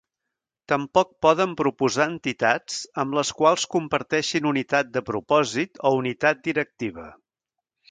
Tampoc poden proposar entitats amb les quals comparteixin unitat de propòsit o unitat directiva.